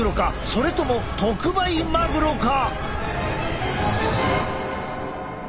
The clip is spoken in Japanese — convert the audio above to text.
それとも特売マグロか？